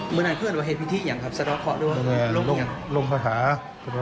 เมื่อนั้นเพื่อนว่าเห็นพิธีอย่างครับสร้างข้อด้วย